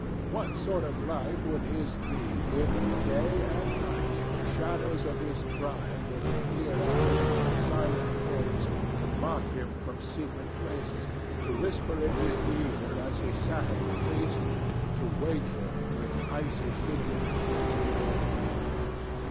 What sort of life would his be if, day and night, shadows of his crime were to peer at him from silent corners, to mock him from secret places, to whisper in his ear as he sat at the feast, to wake him with icy fingers as he lay asleep!